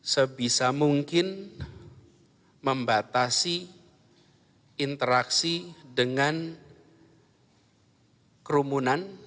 sebisa mungkin membatasi interaksi dengan kerumunan